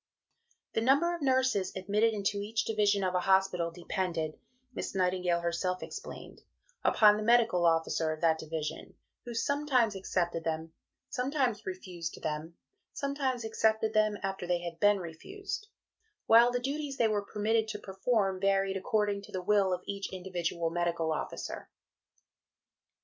" "The number of nurses admitted into each division of a hospital depended," Miss Nightingale herself explained, "upon the medical officer of that division, who sometimes accepted them, sometimes refused them, sometimes accepted them after they had been refused; while the duties they were permitted to perform varied according to the will of each individual medical officer."